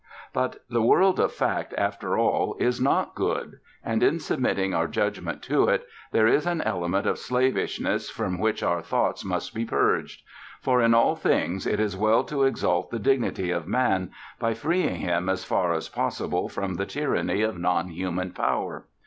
But the world of fact, after all, is not good; and, in submitting our judgment to it, there is an element of slavishness from which our thoughts must be purged. For in all things it is well to exalt the dignity of Man, by freeing him as far as possible from the tyranny of non human Power.